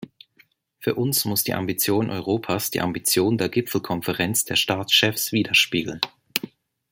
Für uns muss die Ambition Europas die Ambition der Gipfelkonferenz der Staatschefs widerspiegeln.